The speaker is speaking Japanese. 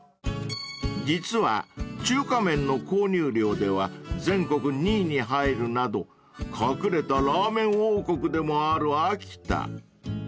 ［実は中華麺の購入量では全国２位に入るなど隠れたラーメン王国でもある秋田］